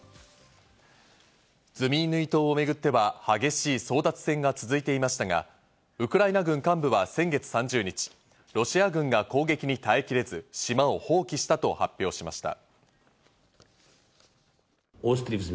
ズミイヌイ島をめぐっては激しい争奪戦が続いていましたが、ウクライナ軍幹部は先月３０日、ロシア軍が攻撃に耐え切れず島を放棄したと発表しました。